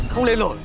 không nên lỗi